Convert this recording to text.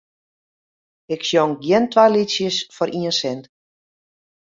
Ik sjong gjin twa lietsjes foar ien sint.